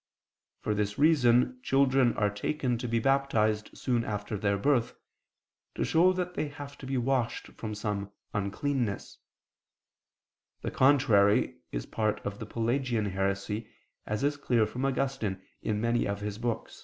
For this reason children are taken to be baptized soon after their birth, to show that they have to be washed from some uncleanness. The contrary is part of the Pelagian heresy, as is clear from Augustine in many of his books [*For instance, Retract. i, 9; De Pecc. Merit.